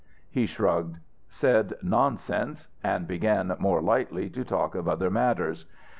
He shrugged, said "Nonsense!" and began more lightly to talk of other matters.